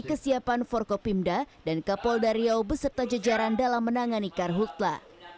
kesiapan forkopimda dan kapol dari riau beserta jajaran dalam menangan ikar hukla